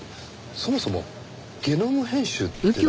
そもそもゲノム編集ってなんですか？